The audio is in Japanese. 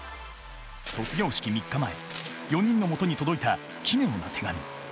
卒業式３日前４人のもとに届いた奇妙な手紙。